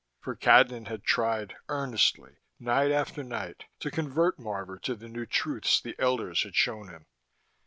For Cadnan had tried, earnestly, night after night, to convert Marvor to the new truths the elders had shown him.